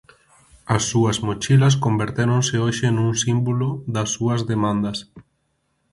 As súas mochilas convertéronse hoxe nun símbolo das súas demandas.